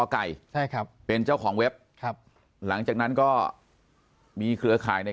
ไก่ใช่ครับเป็นเจ้าของเว็บครับหลังจากนั้นก็มีเครือข่ายใน